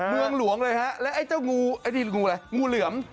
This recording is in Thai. เมืองหลวงเลยฮะแล้วไอ้เจ้างูไอ้นี่งูอะไรงูเหลือม